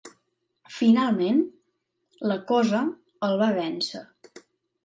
Finalment, la Cosa el va vèncer.